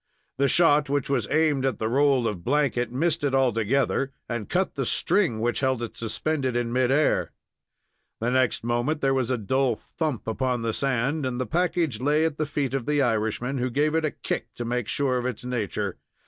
The shot, which was aimed at the roll of blanket, missed it altogether and cut the string which held it suspended in mid air. The next moment there was a dull thump upon the sand, and the package lay at the feet of the Irishman, who gave it a kick to make sure of its nature.